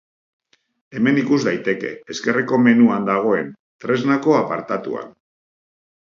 Hemen ikus daiteke, ezkerreko menuan dagoen tresnako apartatuan.